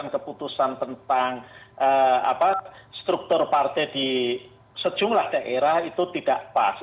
keputusan tentang struktur partai di sejumlah daerah itu tidak pas